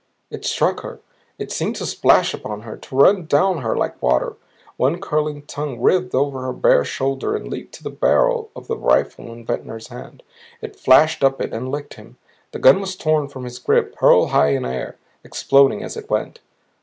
It struck her. It seemed to splash upon her, to run down her like water. One curling tongue writhed over her bare shoulder and leaped to the barrel of the rifle in Ventnor's hands. It flashed up it and licked him. The gun was torn from his grip, hurled high in air, exploding as it went.